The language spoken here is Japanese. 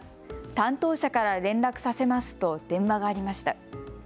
担当者から連絡させますと電話がありました。